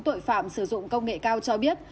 tội phạm sử dụng công nghệ cao cho biết